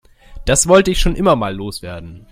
Das wollte ich schon immer mal loswerden.